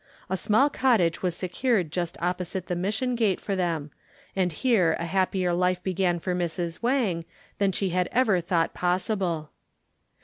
A small cottage was secured just opposite the mission gate for them, and here a happier life began for Mrs. Wang than she had ever thought possible.